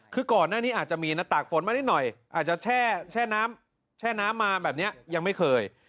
คือก่อนหน้านี้อาจจะมีหน้าตากฝนมานิดหน่อยอาจจะแช่น้ำแช่น้ำมาแบบนี้ยังไม่เคย